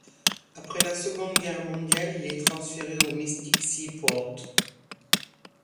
Après la seconde guerre mondiale, il est transféré au Mystic Seaport.